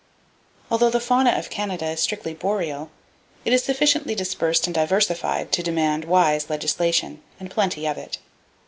Although the fauna of Canada is strictly boreal, it is sufficiently dispersed and diversified to demand wise legislation, and plenty of it.